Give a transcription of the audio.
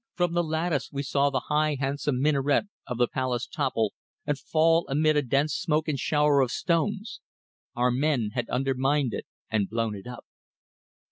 From the lattice we saw the high handsome minaret of the palace topple and fall amid a dense smoke and shower of stones. Our men had undermined it and blown it up.